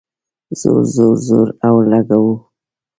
زور ، زور، زور اولګوو